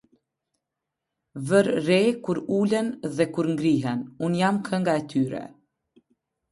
Vër re kur ulen dhe kur ngrihen, unë jam kënga e tyre.